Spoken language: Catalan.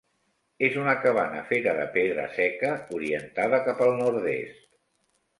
És una cabana feta de pedra seca orientada cap al nord-est.